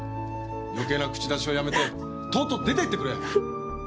余計な口出しはやめてとっとと出ていってくれ！